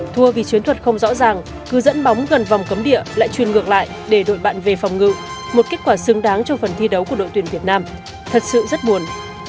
thua vì chuyến thuật không rõ ràng cứ dẫn bóng gần vòng cấm địa lại chuyên ngược lại để đội bạn về phòng ngự một kết quả xứng đáng cho phần thi đấu của đội tuyển việt nam thật sự rất buồn